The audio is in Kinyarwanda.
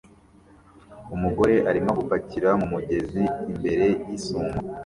Umugore arimo gupakira mu mugezi imbere yisumo